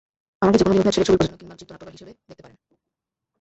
আমাকে যেকোনো দিন অভিনয় ছেড়ে ছবি প্রযোজনা কিংবা চিত্রনাট্যকার হিসেবে দেখতে পারেন।